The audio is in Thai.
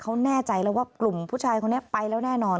เขาแน่ใจแล้วว่ากลุ่มผู้ชายคนนี้ไปแล้วแน่นอน